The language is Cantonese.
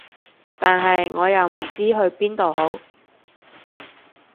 但係我又唔知去邊度好